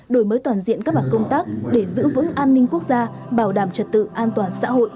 đổi mới toàn diện các mặt công tác để giữ vững an ninh quốc gia bảo đảm trật tự an toàn xã hội